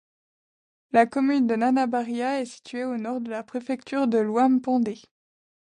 La commune de Nana Barya est située au nord de la préfecture de l’Ouham-Pendé.